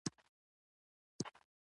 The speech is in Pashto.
په راتلونکي څپرکي کې به یې روښانه کړو.